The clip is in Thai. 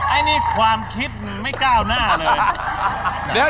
ไอ้นี่ความคิดไม่ก้าวหน้าเลย